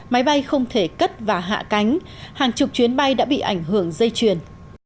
máy bay không thể cất và hạ cánh hàng chục chuyến bay đã bị ảnh hưởng dây chuyền